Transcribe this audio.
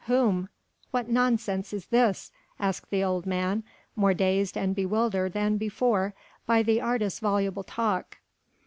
Whom?... What nonsense is this?" asked the old man, more dazed and bewildered than before by the artist's voluble talk.